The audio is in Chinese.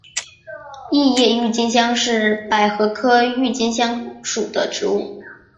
异叶郁金香是百合科郁金香属的植物。